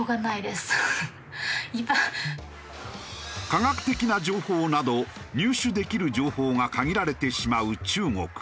科学的な情報など入手できる情報が限られてしまう中国。